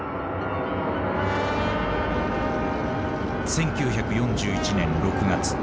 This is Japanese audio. １９４１年６月。